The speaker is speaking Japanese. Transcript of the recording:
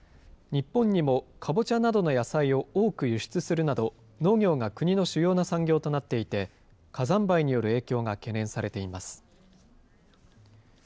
日本にもカボチャなどの野菜を多く輸出するなど農業が国の主要な産業となっていて、火山灰による影響が懸念されています。